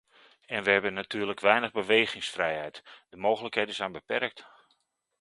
En we hebben natuurlijk weinig bewegingsvrijheid, de mogelijkheden zijn beperkt.